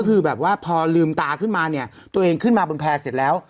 ก็คือแบบว่าพอลืมตาขึ้นมาเนี่ยตัวเองขึ้นมาบนแพร่เสร็จแล้ว